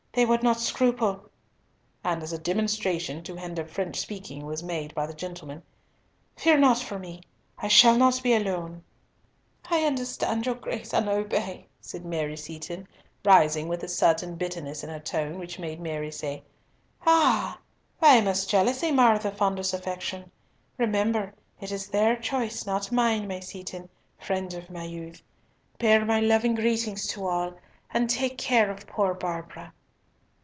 They would not scruple—" and as a demonstration to hinder French speaking was made by the gentlemen, "Fear not for me, I shall not be alone." "I understand your Grace and obey," said Mary Seaton, rising, with a certain bitterness in her tone, which made Mary say— "Ah! why must jealousy mar the fondest affection? Remember, it is their choice, not mine, my Seaton, friend of my youth. Bear my loving greetings to all. And take care of poor Barbara!"